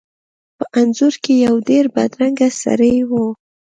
په انځور کې یو ډیر بدرنګه سړی و.